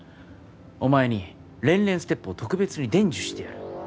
お前にれんれんステップを特別に伝授してやる。